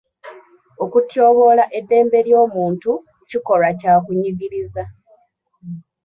Okutyoboola eddembe ly'omuntu kikolwa kya kunyigiriza.